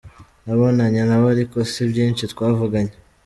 Nabonanye nabo ariko si byinshi twavuganye.